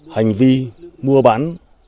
hành vi mua bán